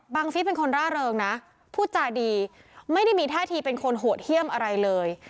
ฟิศเป็นคนร่าเริงนะพูดจาดีไม่ได้มีท่าทีเป็นคนโหดเยี่ยมอะไรเลย